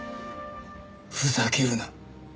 ふざけるな。